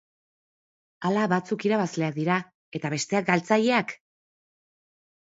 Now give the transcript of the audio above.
Ala batzuk irabazleak dira eta besteak galtzaileak?